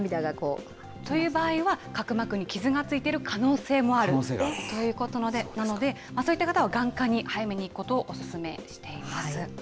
という場合は、角膜に傷がついてる可能性もあるということなので、そういった方は眼科に早めに行くことをお勧めしています。